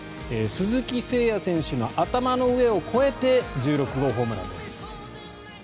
鈴木誠也選手の頭の上を越えて１６号ホームランです。